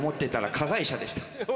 加害者でした。